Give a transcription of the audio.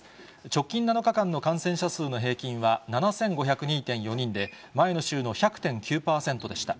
直近７日間の感染者数の平均は７５０２．４人で、前の週の１００．９％でした。